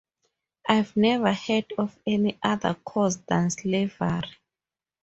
I've never heard of any other cause than slavery.